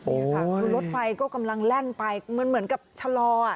โอ้ยรถไฟก็กำลังแล่นไปเหมือนเหมือนกับชะลออ่ะ